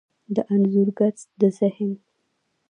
د انځورګر د ذهن،